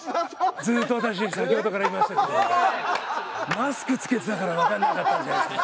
マスク着けてたからわかんなかったんじゃないですかね。